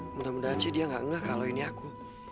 mudah mudahan sih dia nggak ngeh kalau ini aku